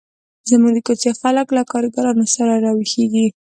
زموږ د کوڅې خلک له کارګرانو سره را ویښیږي.